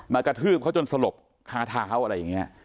กระทืบเขาจนสลบคาเท้าอะไรอย่างนี้